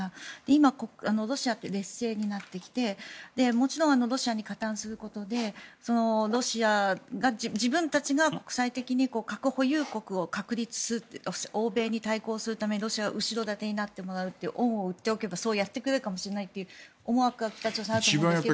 今、ロシアって劣勢になってきてもちろんロシアに加担することでロシアが自分たちが国際的に核保有国を確立する欧米に対抗するために、ロシアに後ろ盾になってもらうって恩を売っておけばそうやってくれるかもしれないという北朝鮮はあると思いますが。